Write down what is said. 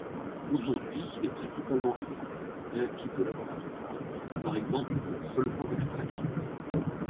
Aujourd'hui il est principalement utilisé comme réactif de laboratoire, par exemple comme solvant d'extraction.